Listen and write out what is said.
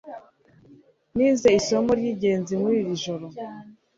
Nize isomo ryingenzi muri iri joro.